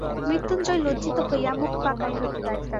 মৃত্যুঞ্জয় লজ্জিত হইয়া মুখ বাঁকাইল।